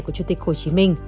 của chủ tịch hồ chí minh